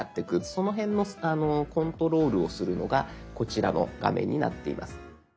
その辺のコントロールをするのがこちらの画面になっています。